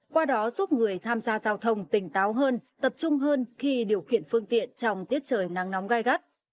qua đó giúp người tham gia giao thông tỉnh táo hơn tập trung hơn khi điều khiển phương tiện trong tiết trời nắng nóng gai gắt